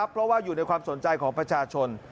เพราะว่าอยู่ในความสนใจของประชาชน